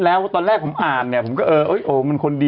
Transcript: อ่านไม่จบ